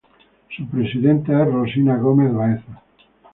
Su presidenta es Rosina Gómez Baeza.